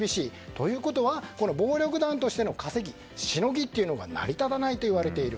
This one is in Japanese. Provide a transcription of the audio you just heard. ということは暴力団としての稼ぎ、シノギが成り立たないといわれている。